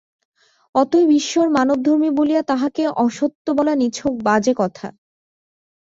অতএব ঈশ্বর মানবধর্মী বলিয়া তাঁহাকে অসত্য বলা নিছক বাজে কথা।